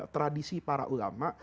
tradisi para ulama